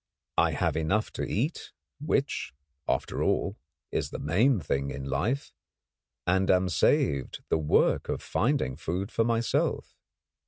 I have enough to eat, which, after all, is the main thing in life, and am saved the work of finding food for myself.